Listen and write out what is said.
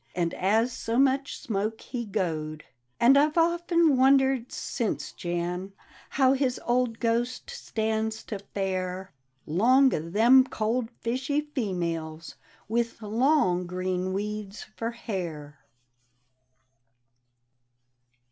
And as so much smoke he goed ; And I've often wondered since, Jan, How his old ghost stands to fare Long o' them cold fishy females With long green weeds for hair."